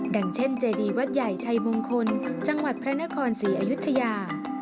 อย่างเช่นเจดีวัดใหญ่ชัยมงคลจังหวัดพระนครศรีอยุธยา